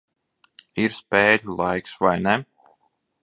Ir spēļu laiks, vai ne?